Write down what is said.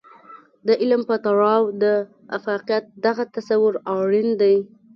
د علم په تړاو د افاقيت دغه تصور اړين دی.